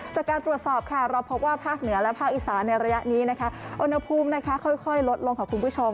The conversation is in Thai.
จากการตรวจสอบค่ะเราพบว่าภาคเหนือและภาคอีสานในระยะนี้นะคะอุณหภูมิค่อยลดลงค่ะคุณผู้ชม